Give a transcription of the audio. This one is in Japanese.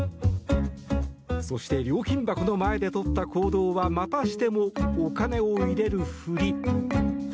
そして料金箱の前でとった行動はまたしてもお金を入れるふり。